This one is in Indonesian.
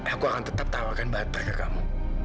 aku akan tetap tawarkan bahagia kamu